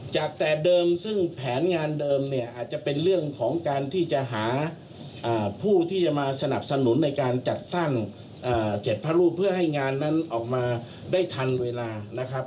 จากแต่เดิมซึ่งแผนงานเดิมเนี่ยอาจจะเป็นเรื่องของการที่จะหาผู้ที่จะมาสนับสนุนในการจัดสร้าง๗พระรูปเพื่อให้งานนั้นออกมาได้ทันเวลานะครับ